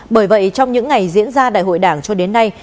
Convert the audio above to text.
bởi vậy trong những ngày diễn ra đại hội đảng cho đến nay